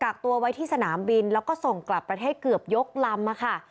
กักตัวไว้ที่สนามบินแล้วก็ส่งกลับประเทศเกือบยกลำค่ะ